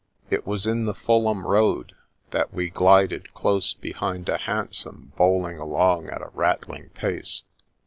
It was in the Fulham Road that we glided close behind a hansom bowling along at a rattling pace.